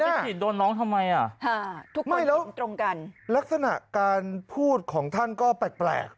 ไปฉีดโดนน้องทำไมอ่ะทุกคนตรงกันลักษณะการพูดของท่านก็แปลกแปลก